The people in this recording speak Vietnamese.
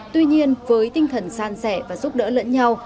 tuy nhiên với tinh thần san sẻ và giúp đỡ lẫn nhau